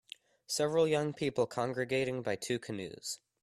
Several young people congregating by two canoes.